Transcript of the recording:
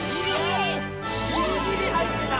ぎりぎりはいってた！